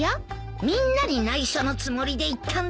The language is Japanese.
みんなに内緒のつもりで言ったんだけどな。